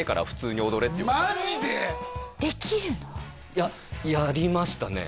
いややりましたね